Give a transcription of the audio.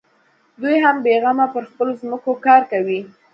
دوى هم بېغمه پر خپلو ځمکو کار کوي.